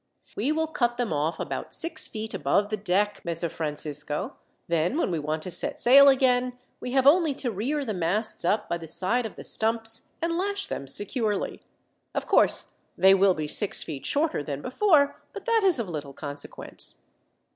"We will cut them off about six feet above the deck, Messer Francisco; then when we want to set sail again, we have only to rear the masts up by the side of the stumps, and lash them securely. Of course they will be six feet shorter than before, but that is of little consequence."